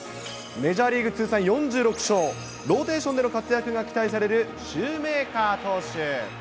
メジャーリーグ通算４６勝、ローテーションでの活躍が期待されるシューメーカー投手。